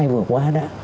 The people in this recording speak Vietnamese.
vừa qua đó